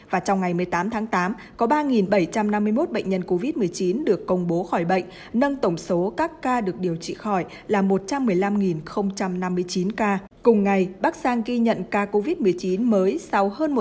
và trong ngày một mươi tám tháng tám có ba bảy trăm năm mươi một bệnh nhân covid một mươi chín được công bố khỏi lãnh thổ